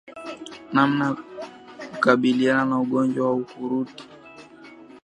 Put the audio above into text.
Namna ya kukabiliana na ugonjwa wa ukurutu